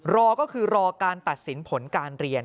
รอก็คือรอการตัดสินผลการเรียน